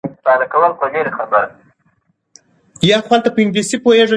مور یې د روزنې نوې لارې کاروي.